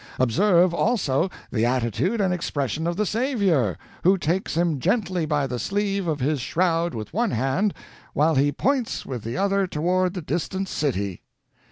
Observe, also, the attitude and expression of the Saviour, who takes him gently by the sleeve of his shroud with one hand, while He points with the other toward the distant city.'